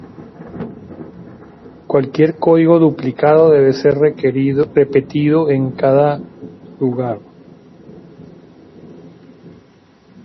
Cualquier código duplicado debe ser repetido en cada lugar.